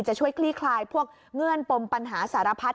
จะช่วยคลี่คลายพวกเงื่อนปมปัญหาสารพัด